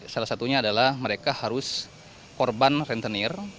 salah satunya adalah mereka harus korban rentenir